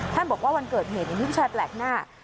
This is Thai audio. ท่านบอกว่าวันเกิดเหตุอย่างนี้ผู้ชายแปลกหน้า